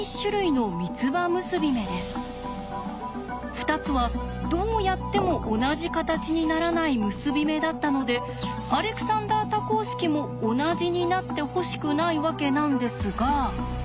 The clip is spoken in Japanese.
２つはどうやっても同じ形にならない結び目だったのでアレクサンダー多項式も同じになってほしくないわけなんですが。